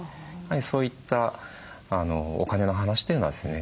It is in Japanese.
そういったお金の話というのはですね